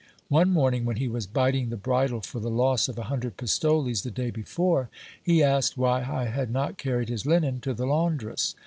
One morning, when he was biting the bridle for the loss of a hundred pistoles the day before, he asked why I had not carried his linen to the laundress.